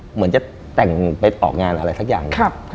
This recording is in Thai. เหมือนจะแต่งไปออกงานอะไรสักอย่าง